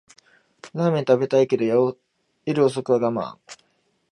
ラーメン食べたいけど夜遅くは我慢